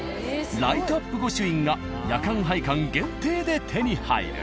ライトアップ御朱印が夜間拝観限定で手に入る。